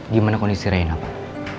gimana kondisi renna pak